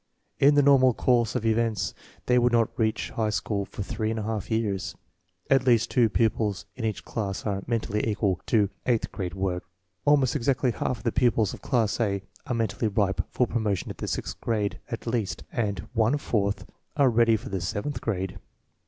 In the normal course of events they will not reach high school for three and a half years. At least two pupils in each class are mentally equal to eighth grade work. Almost exactly half of the pupils of class A are men tally ripe for promotion to the sixth grade, at least, and one fourth are ready for the seventh grade.